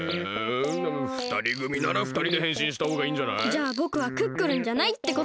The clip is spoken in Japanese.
じゃあぼくはクックルンじゃないってことで。